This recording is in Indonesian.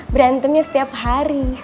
berantemnya setiap hari